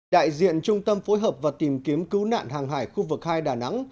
đại diện trung tâm phối hợp và tìm kiếm cứu nạn hàng hải khu vực hai đà nẵng